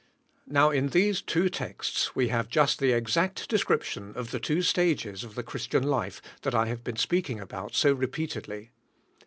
Now in these two texts we have just the ex act description of the two stages of the Christian life that I have been speaking about so repeatedly.